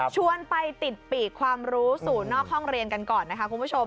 ชวนไปติดปีกความรู้สู่นอกห้องเรียนกันก่อนนะคะคุณผู้ชม